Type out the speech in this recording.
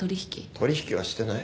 取引はしてない。